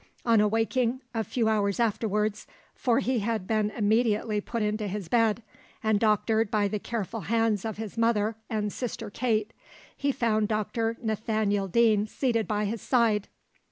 On awaking a few hours afterwards for he had been immediately put into his bed, and doctored by the careful hands of his mother and sister Kate he found Dr Nathaniel Deane seated by his side.